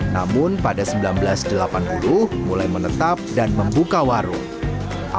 namun pada seribu sembilan ratus delapan puluh mulai menetap dan membuka warung